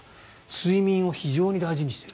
睡眠を非常に大事にしている。